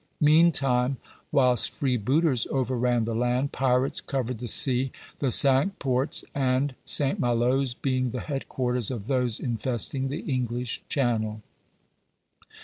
Mean time, whilst freebooters overran the land, pirates covered the sea, the Cinque Ports and St. Maloe s being the head quarters of those infesting the English Channel.